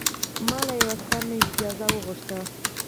ما له یوه عسکر نه اجازه وغوښته.